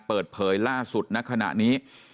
เปิดเผยล่าสุดณขณะนี้